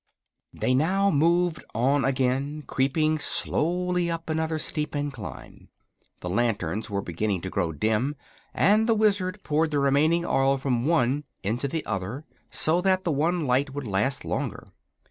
They now moved on again, creeping slowly up another steep incline. The lanterns were beginning to grow dim, and the Wizard poured the remaining oil from one into the other, so that the one light would last longer.